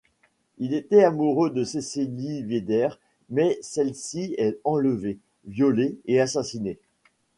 Il était amoureux de Sessily Veder, mais celle-ci est enlevée, violée et assassinée.